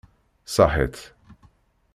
Ṣaḥit!